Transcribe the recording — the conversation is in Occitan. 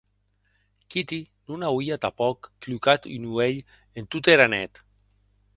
Kitty non auie tanpòc clucat un uelh en tota era net.